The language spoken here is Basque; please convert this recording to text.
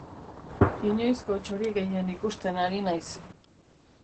Inoizko txori gehien ikusten ari naiz.